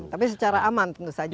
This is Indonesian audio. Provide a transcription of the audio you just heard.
tapi secara aman tentu saja